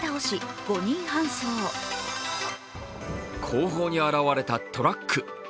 後方に現れたトラック。